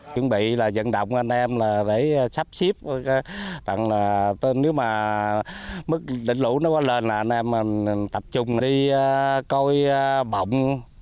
chuẩn bị là dẫn động anh em để sắp xếp nếu mà mức đỉnh lũ nó có lên là anh em tập trung đi coi bọng